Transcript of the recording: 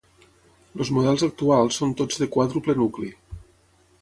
Els models actuals són tots de quàdruple nucli.